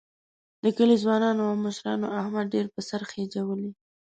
د کلي ځوانانو او مشرانو احمد ډېر په سر خېجولی.